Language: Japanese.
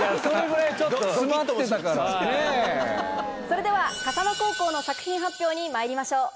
それでは笠間高校の作品発表にまいりましょう。